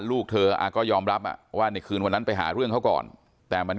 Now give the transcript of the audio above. ลูกเธอก็ยอมรับว่าในคืนวันนั้นไปหาเรื่องเขาก่อนแต่มัน